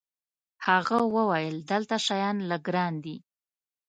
هغه وویل: دلته شیان لږ ګران دي.